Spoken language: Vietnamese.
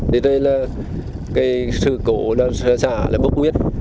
thì đây là cái sự cổ xả là bộc nguyên